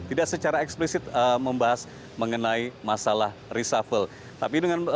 tidak secara eksplisit membahas mengenai masalah reshuffle